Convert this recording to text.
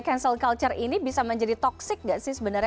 cancel culture ini bisa menjadi toxic gak sih sebenarnya